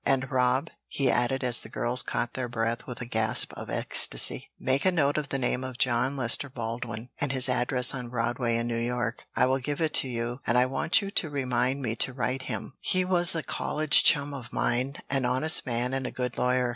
"And, Rob," he added, as the girls caught their breath with a gasp of ecstasy, "make a note of the name of John Lester Baldwin, and his address on Broadway, in New York. I will give it to you, and I want you to remind me to write him he was a college chum of mine, an honest man and a good lawyer.